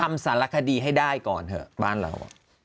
สารคดีให้ได้ก่อนเถอะบ้านเรา